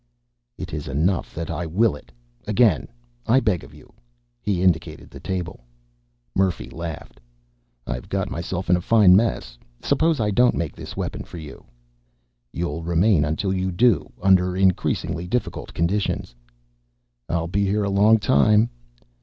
"It is enough that I will it. Again, I beg of you ..." He indicated the table. Murphy laughed. "I've got myself in a fine mess. Suppose I don't make this weapon for you?" "You'll remain until you do, under increasingly difficult conditions." "I'll be here a long time."